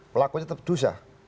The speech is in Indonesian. pelakunya tetap dosa